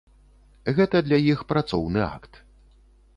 Гэта для іх працоўны акт.